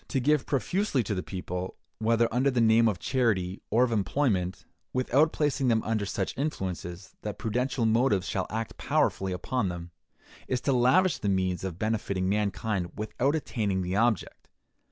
To give profusely to the people, whether under the name of charity or of employment, without placing them under such influences that prudential motives shall act powerfully upon them, is to lavish the means of benefiting mankind without attaining the object.